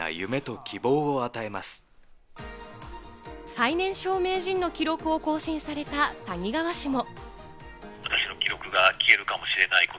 最年少名人の記録を更新された谷川氏も。